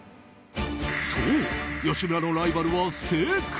そう、吉村のライバルは世界。